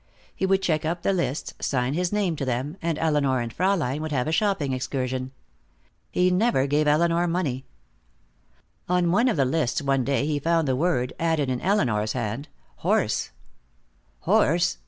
He would check up the lists, sign his name to them, and Elinor and Fraulein would have a shopping excursion. He never gave Elinor money. On one of the lists one day he found the word, added in Elinor's hand: "Horse." "Horse?"